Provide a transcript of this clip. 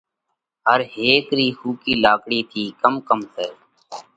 هر هيڪ رِي ۿُوڪِي لاڪڙِي ٿِي ڪم ڪم سئہ؟